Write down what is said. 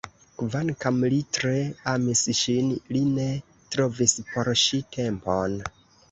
Kvankam li tre amis ŝin, li ne trovis por ŝi tempon.